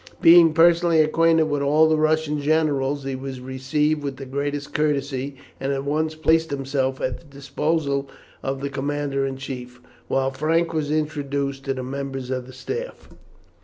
Being personally acquainted with all the Russian generals he was received with the greatest courtesy, and at once placed himself at the disposal of the commander in chief, while Frank was introduced to the members of the staff.